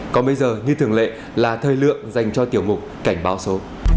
còn bây giờ như thường lệ là thời lượng dành cho tiểu mục cảnh báo số